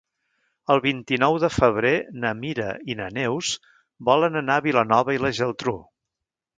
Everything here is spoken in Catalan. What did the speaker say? El vint-i-nou de febrer na Mira i na Neus volen anar a Vilanova i la Geltrú.